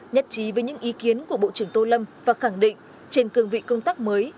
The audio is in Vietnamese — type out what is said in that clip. nhất trí với những ý kiến của bộ trưởng tô lâm và khẳng định trên cương vị công tác mới